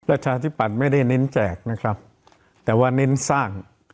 ประชาธิปัตย์ไม่ได้เน้นแจกนะครับแต่ว่าเน้นสร้าง